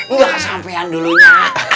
enggak kesampean dulunya